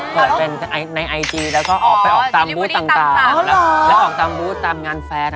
เปิดเป็นในไอจีแล้วก็ออกไปออกตามบุ๊ตต่าง